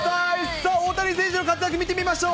さあ、大谷選手の活躍、見てみましょう。